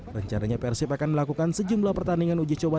rencananya persib akan melakukan sejumlah pertandingan uji coba